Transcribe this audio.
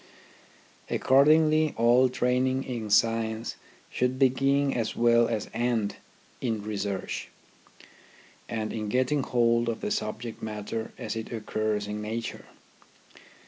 Accordingly, all training in science should begin as well as end in research, and in getting hold of the subject matter as it occurs in nature.